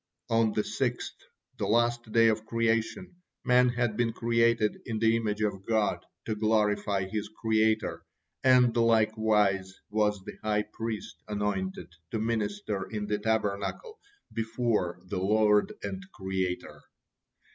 On the sixth, the last day of creation, man had been created in the image of God to glorify his Creator, and likewise was the high priest anointed to minister in the Tabernacle before the Lord and Creator.